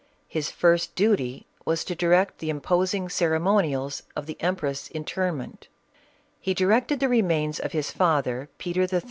His first duty was to direct the imposing ceremonials of the empress' inter ment He directed the remains of his father Peter III.